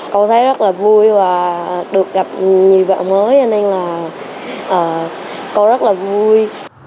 con thấy rất là vui và được gặp nhiều bạn mới cho nên là con rất là vui